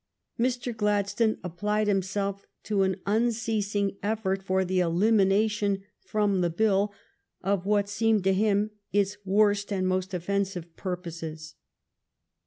Mr. Gladstone applied him self to an unceasing effort for the elimination from the bill of what seemed to him its worst and most offensive purposes.